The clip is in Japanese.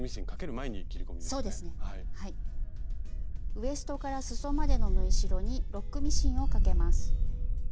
ウエストからすそまでの縫い代にロックミシンをかけます。